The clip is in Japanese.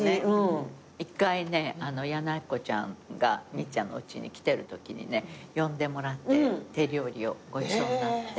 一回ね矢野顕子ちゃんがミッちゃんのおうちに来てるときにね呼んでもらって手料理をごちそうになって。